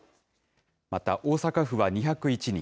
また大阪府は２０１人。